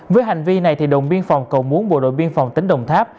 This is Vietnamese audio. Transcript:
với hành vi này đồn biên phòng cầu muốn bộ đội biên phòng tính đồng tháp